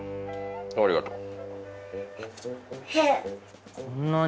ありがとう。